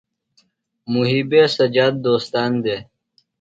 محیبے سجاد دوستان دےۡ۔